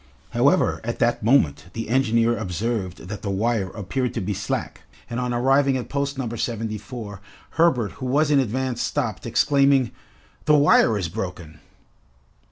However, at that moment the engineer observed that the wire appeared to be slack, and on arriving at post No. 74, Herbert, who was in advance stopped, exclaiming, "The wire is broken!"